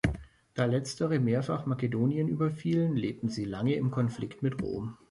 Da letztere mehrfach Makedonien überfielen, lebten sie lange im Konflikt mit Rom.